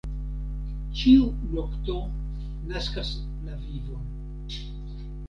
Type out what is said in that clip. Ĉiu nokto naskas la vivon.